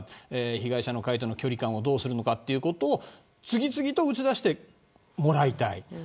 被害者の会との距離感をどうするのかということを次々と打ち出してもらいたい。